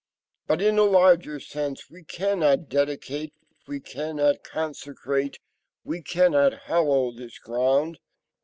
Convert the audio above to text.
But, in a larger sense, we cannot dedicate. . .we cannot consecrate. .. we cannot hallow this ground.